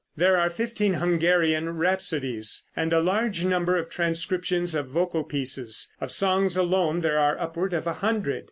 There are fifteen Hungarian Rhapsodies, and a large number of transcriptions of vocal pieces (of songs alone there are upwards of a hundred).